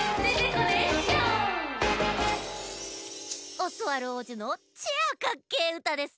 オスワルおうじのチェアカッケーうたです。